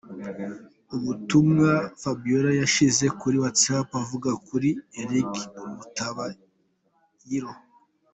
Ubutumwa Fabiola yashyize kuri Whatsapp avuga kuri Eric Rutabayiro.